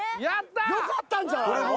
よかったんじゃないの？